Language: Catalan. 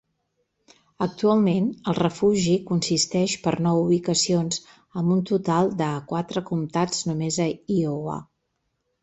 Actualment, el refugi consisteix per nou ubicacions amb un total de a quatre comtats només a Iowa.